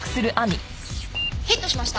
ヒットしました。